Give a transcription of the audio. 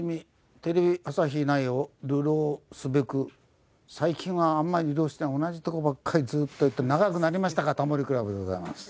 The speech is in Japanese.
テレビ朝日内を流浪すべく最近はあんまり移動してない同じ所ばっかりずっと行ってる長くなりましたが『タモリ倶楽部』でございます。